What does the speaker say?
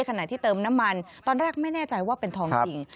ขณะที่เติมน้ำมันตอนแรกไม่แน่ใจว่าเป็นทองจริง